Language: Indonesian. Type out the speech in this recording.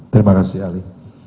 terima kasih ali